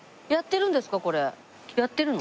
やってるの？